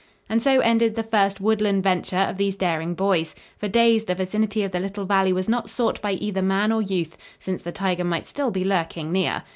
And so ended the first woodland venture of these daring boys. For days the vicinity of the little valley was not sought by either man or youth, since the tiger might still be lurking near.